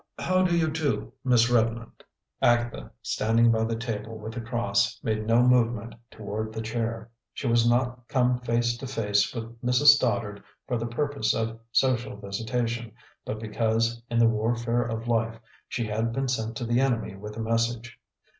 "How do you do, Miss Redmond?" Agatha, standing by the table with the cross, made no movement toward the chair. She was not come face to face with Mrs. Stoddard for the purpose of social visitation, but because, in the warfare of life, she had been sent to the enemy with a message.